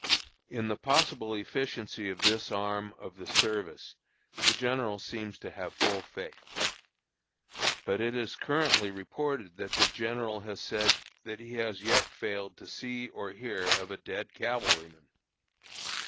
In the possible efficiency of this arm of the service the general seems to have full faith. But it is currently reported that the general has said "that he has yet failed to see or hear of a dead cavalryman."